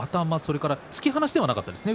突き放しではなかったですね。